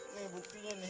ini buktinya nih